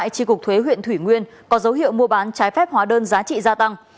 công an huyện thủy nguyên có dấu hiệu mua bán trái phép hóa đơn giá trị gia tăng